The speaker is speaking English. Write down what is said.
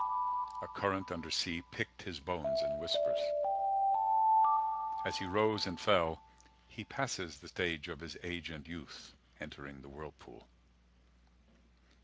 A current under sea Picked his bones in whispers. As he rose and fell He passed the stages of his age and youth Entering the whirlpool.